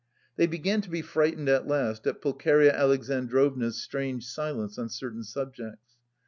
They began to be frightened at last at Pulcheria Alexandrovna's strange silence on certain subjects.